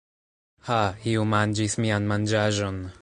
Ha, iu manĝis mian manĝaĵon!